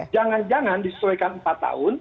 jangan jangan disesuaikan empat tahun